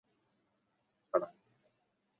Men to‘rt osh pishirimdan-da ko‘p uchdim!